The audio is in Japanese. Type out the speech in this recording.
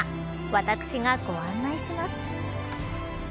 私がご案内します。